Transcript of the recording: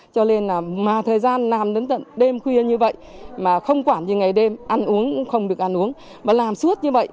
cho nên là mà thời gian làm đến tận đêm khuya như vậy mà không quản như ngày đêm ăn uống cũng không được ăn uống mà làm suốt như vậy